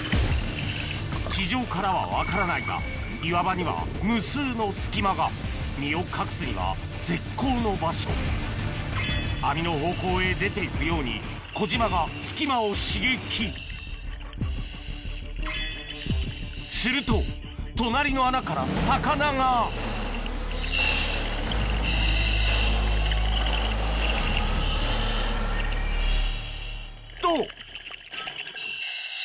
地上からは分からないが岩場には無数の隙間が身を隠すには絶好の場所網の方向へ出ていくように小島が隙間を刺激すると隣の穴から魚がと！